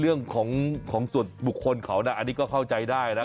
เรื่องของส่วนบุคคลเขานะอันนี้ก็เข้าใจได้นะ